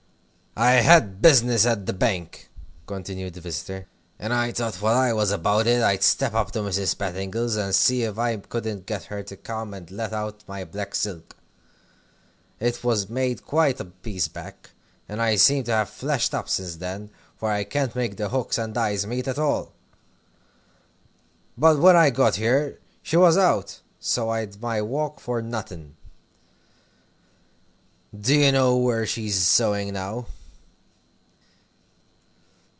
"I had business at the bank," continued the visitor, "and I thought while I was about it I'd step up to Miss Petingill's and see if I couldn't get her to come and let out my black silk. It was made quite a piece back, and I seem to have fleshed up since then, for I can't make the hooks and eyes meet at all. But when I got there, she was out, so I'd my walk for nothing. Do you know where she's sewing now?"